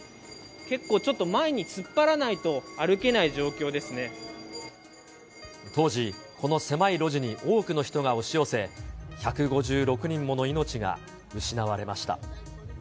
結構、ちょっと前に突っ張らない当時、この狭い路地に多くの人が押し寄せ、１５６人もの命が失われました。